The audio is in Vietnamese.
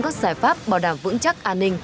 các giải pháp bảo đảm vững chắc an ninh